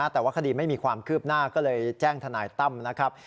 แต่ว่าคดีไม่มีความคืบหน้าก็เลยแจ้งทนายตั้มนะครับ